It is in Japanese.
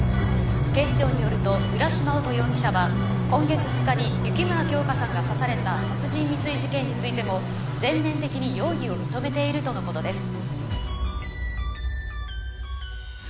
警視庁によると浦島乙容疑者は今月２日に雪村京花さんが刺された殺人未遂事件についても全面的に容疑を認めているとのことです。